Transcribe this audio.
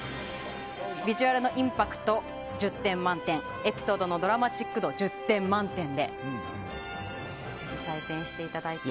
ビジュアルのインパクト１０点満点エピソードのドラマチック度１０点満点で採点していただいて。